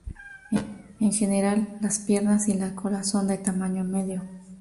En general, las piernas y la cola son de tamaño medio.